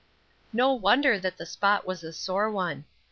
No wonder that the spot was a sore one.